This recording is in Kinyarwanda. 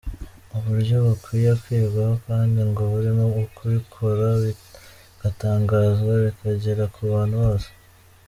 Uburyo bukwiye kwigwaho kandi ngo burimo kubikora bigatangazwa bikagera ku bantu bose.